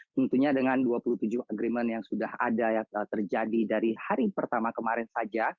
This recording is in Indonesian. tentunya dengan dua puluh tujuh agreement yang sudah ada terjadi dari hari pertama kemarin saja